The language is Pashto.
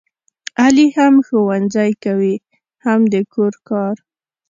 علي هم ښوونځی کوي هم د کور کار.